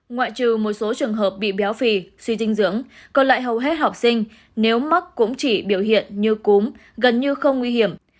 ngoại trừ một số trường hợp bị béo phì suy dinh dưỡng còn lại hầu hết học sinh nếu mắc cũng chỉ biểu hiện như cúm gần như không nguy hiểm